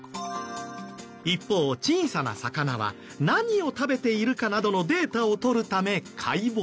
一方小さな魚は何を食べているかなどのデータをとるため解剖。